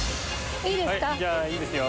いいですよ。